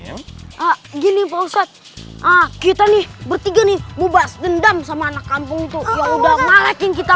ya gini posat ah kita nih bertiga nih bubas dendam sama anak kampung itu udah malekin kita